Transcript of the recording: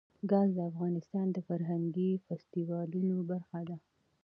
ګاز د افغانستان د فرهنګي فستیوالونو برخه ده.